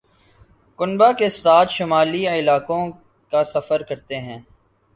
کنبہ کے ساتھ شمالی علاقوں کا سفر کرتے ہیں